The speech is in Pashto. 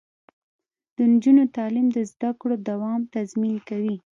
د نجونو تعلیم د زدکړو دوام تضمین کوي.